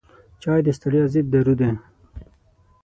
چای د ستړیا ضد دارو دی.